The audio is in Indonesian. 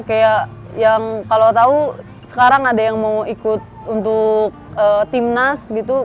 kayak yang kalau tahu sekarang ada yang mau ikut untuk timnas gitu